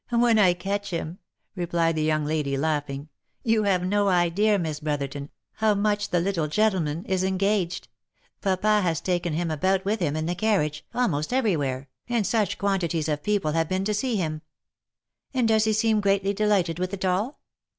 " When I can catch him," replied the young lady, laughing. You have no idea, Miss Brotherton, how much the little gentleman is en gaged. Papa has taken him about with him in the carriage, almost every where, and such quantities of people have been to see him !"" And does he seem greatly delighted with it all